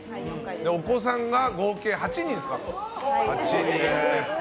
お子さんが合計８人います。